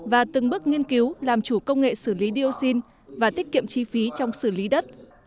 và từng bước nghiên cứu làm chủ công nghệ xử lý dioxin và tiết kiệm chi phí trong xử lý đất